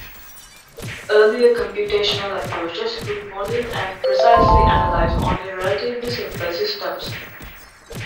Earlier computational approaches could model and precisely analyze only relatively simple systems.